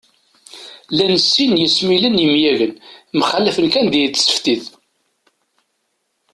Llan sin n yesmilen n yemyagen, mxallafen kan di tseftit